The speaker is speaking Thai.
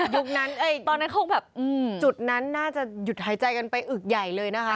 ยุคนั้นจุดนั้นน่าจะหยุดหายใจกันไปอึกใหญ่เลยนะคะ